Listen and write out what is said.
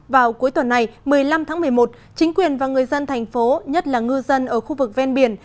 vào cuối tuần này một mươi năm tháng một mươi một chính quyền và người dân thành phố nhất là ngư dân ở khu vực ven biển